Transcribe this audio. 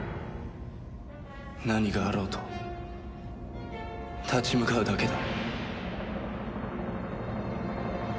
何があろうと立ち向かうだけだ。